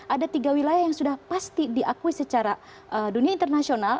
ada tiga wilayah yang sudah pasti diakui secara dunia internasional